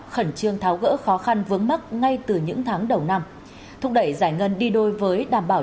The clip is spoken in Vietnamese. khẩn trương tháo gỡ khó khăn vướng mắt ngay từ những tháng đầu năm thúc đẩy giải ngân đi đôi với đảm bảo